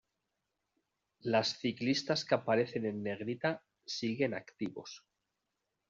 Las ciclistas que aparecen en negrita siguen activos.